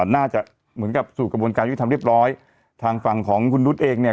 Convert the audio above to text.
น่าจะเหมือนกับสู่กระบวนการยุทธรรมเรียบร้อยทางฝั่งของคุณนุษย์เองเนี่ย